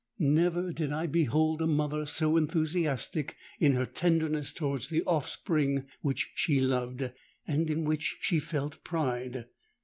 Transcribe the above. Never did I behold a mother so enthusiastic in her tenderness towards the offspring which she loved—and in which she felt pride!